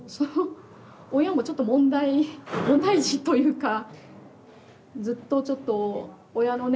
親もちょっと問題問題児というかずっとちょっと親のね